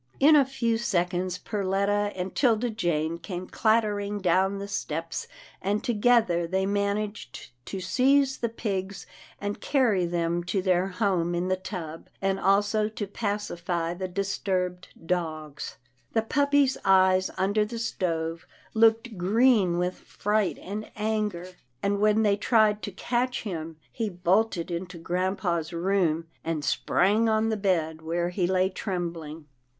In a few seconds, Perletta and 'Tilda Jane came clattering down the steps, and together they man 226 'TILDA JANE'S ORPHANS aged to seize the pigs, and carry them to their home in the tub, and also to pacify the disturbed dogs. The puppy's eyes under the stove looked green with fright and anger, and when they tried to catch him, he bolted into grampa's room, and sprang on the bed where he lay trembling.